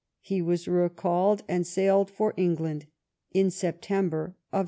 He was recalled and sailed for England in September, 1706.